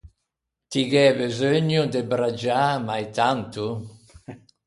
Ti gh’æ beseugno de braggiâ mai tanto?